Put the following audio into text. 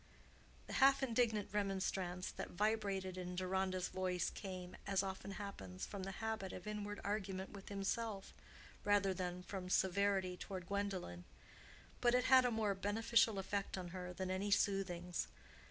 The half indignant remonstrance that vibrated in Deronda's voice came, as often happens, from the habit of inward argument with himself rather than from severity toward Gwendolen: but it had a more beneficial effect on her than any soothings.